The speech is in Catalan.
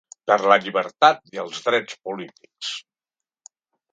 Per la llibertat i els drets polítics!